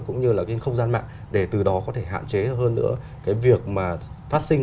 cũng như là trên không gian mạng